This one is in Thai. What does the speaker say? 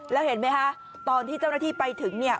แล้วเห็นไหมคะตอนที่เจ้าหน้าที่ไปถึงเนี่ย